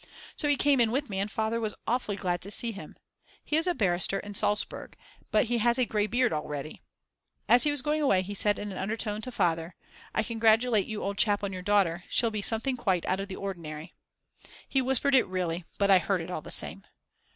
So he came in with me and Father was awfully glad to see him. He is a barrister in Salzburg but he has a grey beard already. As he was going away he said in an undertone to Father: "I congratulate you old chap on your daughter; she'll be something quite out of the ordinary!" He whispered it really, but I heard all the same.